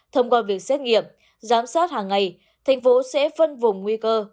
thông qua việc xét nghiệm giám sát hàng ngày tp hcm sẽ phân vùng nguy cơ